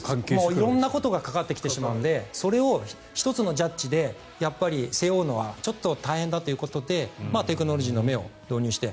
色んなことが関わってきてしまうのでそれが１つのジャッジでやっぱり背負うのはちょっと大変だということでテクノロジーの目を導入して。